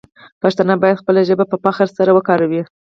پښتانه باید خپله ژبه په فخر سره وکاروي.